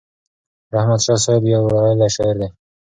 رحمت شاه سایل یو ویاړلی شاعر دی.